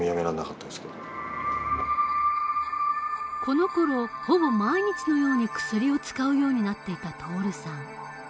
このころほぼ毎日のように薬を使うようになっていた徹さん。